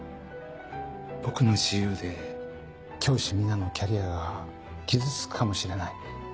僕の自由で教師皆のキャリアが傷つくかもしれない。